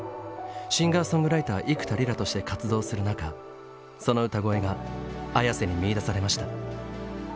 シンガーソングライター幾田りらとして活動する中その歌声がＡｙａｓｅに見いだされました。